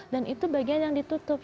dan itu bagian yang ditutup